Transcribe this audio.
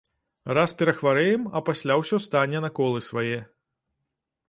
Раз перахварэем, а пасля ўсё стане на колы свае.